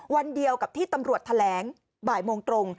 วันเดียวกับที่ตำรวจแถลงบ่ายโมงตรง